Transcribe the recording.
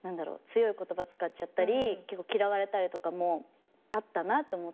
強い言葉使っちゃったり結構嫌われたりとかもあったなと思って。